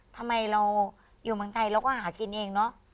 ทำไมเราอยู่เมืองไทยเราก็หากินเองเนอะ